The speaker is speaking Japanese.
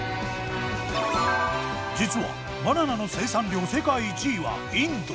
実はバナナの生産量世界１位はインド。